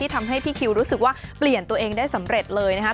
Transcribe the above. ทำให้พี่คิวรู้สึกว่าเปลี่ยนตัวเองได้สำเร็จเลยนะครับ